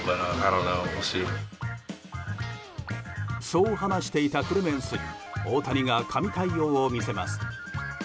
そう話していたクレメンスに大谷が神対応を見せます。